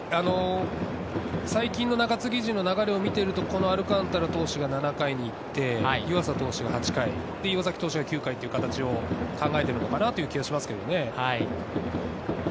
最近の中継ぎ陣の流れを見ていると、このアルカンタラ投手が７回に行って、湯浅投手が８回、岩崎投手が８・９回という形を考えてるのかなと思います。